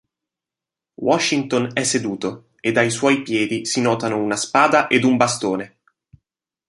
Washington è seduto ed ai suoi piedi si notano una spada ed un bastone.